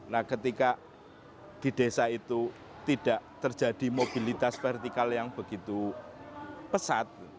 nah ketika di desa itu tidak terjadi mobilitas vertikal yang begitu pesat